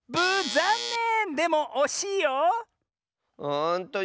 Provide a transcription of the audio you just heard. ざんねん！